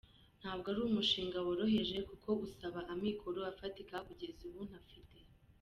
Ntabwo ari umushinga woroheje kuko usaba amikoro afatika kugeza ubu ntafite.